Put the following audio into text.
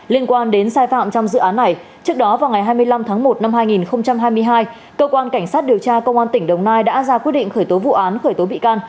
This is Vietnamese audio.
liên quan đến sai phạm trong dự án này trước đó vào ngày hai mươi năm tháng một năm hai nghìn hai mươi hai cơ quan cảnh sát điều tra công an tỉnh đồng nai đã ra quyết định khởi tố vụ án khởi tố bị can